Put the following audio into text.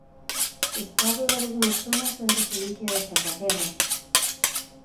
Estado dalgunhas zonas da residencia de Salvaterra.